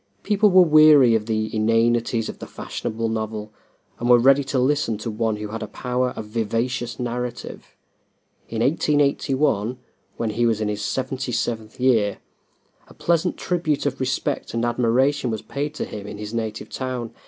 People were weary of the inanities of the fashionable novel, and were ready to listen to one who had a power of vivacious narrative. In 1881, when he was in his seventy seventh year, a pleasant tribute of respect and admiration was paid to him in his native town.